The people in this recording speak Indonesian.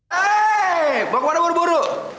hei mau ke mana baru baru